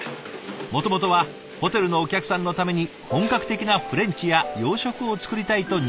もともとはホテルのお客さんのために本格的なフレンチや洋食を作りたいと入社してきたはず。